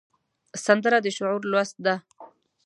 سندره د شعور لوست ده